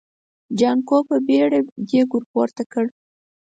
جانکو په بيړه دېګ ور پورته کړ.